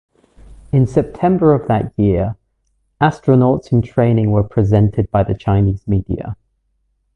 In September of that year, astronauts in training were presented by the Chinese media.